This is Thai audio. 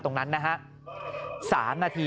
ตรงนั้น๓นาที